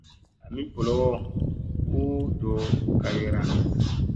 Ami bolowo u do kawira.